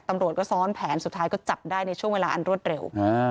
ตำรวจก็ซ้อนแผนสุดท้ายก็จับได้ในช่วงเวลาอันรวดเร็ว